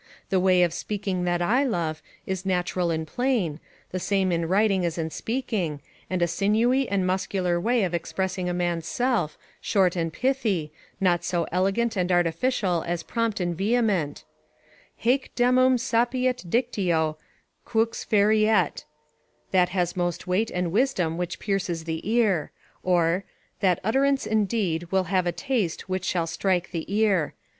The way of speaking that I love, is natural and plain, the same in writing as in speaking, and a sinewy and muscular way of expressing a man's self, short and pithy, not so elegant and artificial as prompt and vehement; "Haec demum sapiet dictio, qux feriet;" ["That has most weight and wisdom which pierces the ear." ("That utterance indeed will have a taste which shall strike the ear.")